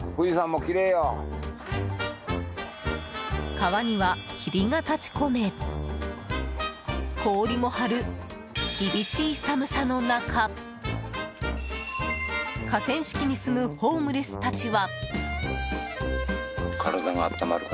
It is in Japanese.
川には霧が立ち込め氷も張る厳しい寒さの中河川敷に住むホームレスたちは。